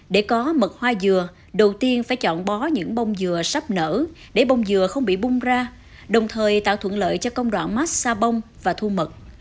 để có mật hoa dừa đầu tiên phải chọn bó những bông dừa sắp nở để bông dừa không bị bung ra đồng thời tạo thuận lợi cho công đoạn mát xa bông và thu mật